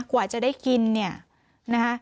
กว่าจะได้กินนะฮะ